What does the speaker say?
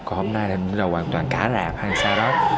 còn hôm nay là hoàn toàn cả rạp hay sao đó